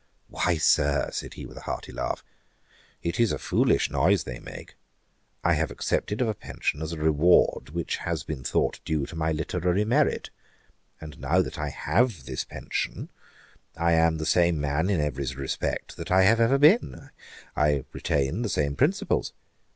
'Why, Sir, (said he, with a hearty laugh,) it is a mighty foolish noise that they make. I have accepted of a pension as a reward which has been thought due to my literary merit; and now that I have this pension, I am the same man in every respect that I have ever been; I retain the same principles.